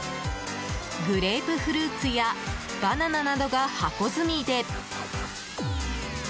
グレープフルーツやバナナなどが箱積みで。